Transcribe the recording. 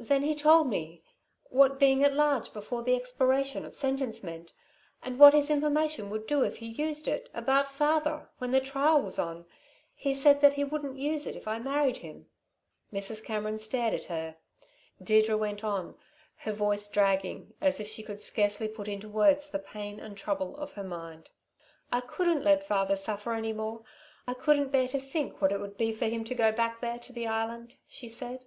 Then he told me what being at large before the expiration of sentence meant, and what his information would do if he used it, about father, when the trial was on. He said that he wouldn't use it if I'd marry him." Mrs. Cameron stared at her. Deirdre went on, her voice dragging as if she could scarcely put into words the pain and trouble of her mind. "I couldn't let father suffer any more. I couldn't bear to think what it would be for him to go back there, to the Island," she said.